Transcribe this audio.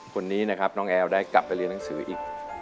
คนนี้นะครับน้องแอลได้กลับไปเรียนหนังสืออีก